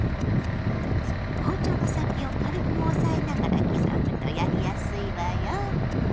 包丁の先を軽く押さえながら刻むとやりやすいわよ。